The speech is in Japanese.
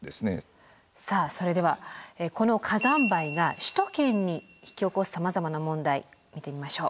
さあそれではこの火山灰が首都圏に引き起こすさまざまな問題見てみましょう。